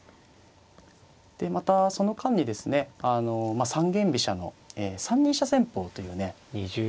でまたその間にですね三間飛車の３二飛車戦法というね